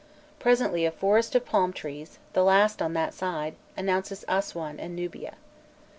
Presently a forest of palm trees, the last on that side, announces Aswan and Nubia.